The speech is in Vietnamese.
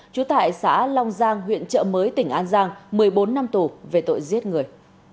trú tại xã long giang huyện trợ mới tỉnh an giang một mươi bốn năm tù về tội giết người